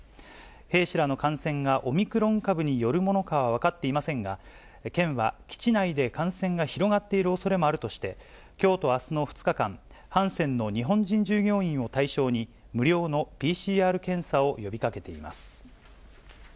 兵士らの感染がオミクロン株によるものかは分かっていませんが、県は基地内で感染が広がっているおそれもあるとして、きょうとあすの２日間、ハンセンの日本人従業員を対象に、無料のＰＣＲ検査を呼びかけています。